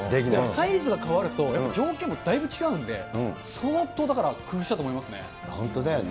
サイズが変わると、やっぱり条件もだいぶ違うんで、相当だから、本当だよね。